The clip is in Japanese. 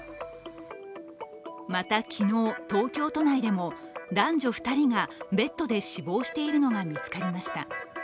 また、昨日、東京都内でも男女２人がベッドで死亡しているのが見つかりました。